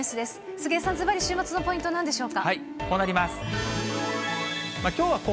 杉江さん、ずばり週末のポイント、なんでしょうか。